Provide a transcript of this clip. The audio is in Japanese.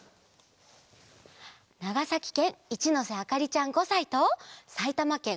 ながさきけんいちのせあかりちゃん５さいとさいたまけん